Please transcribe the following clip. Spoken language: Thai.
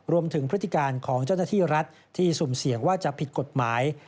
พฤติการของเจ้าหน้าที่รัฐที่สุ่มเสี่ยงว่าจะผิดกฎหมาย